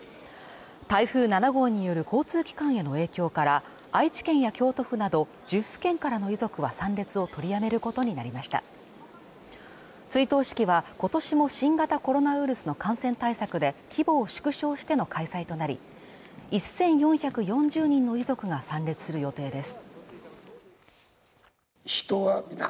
台風７号による交通機関への影響から愛知県や京都府など１０府県からの遺族は参列を取りやめることになりました追悼式は今年も新型コロナウイルスの感染対策で規模を縮小しての開催となり１４４０人の遺族が参列する予定です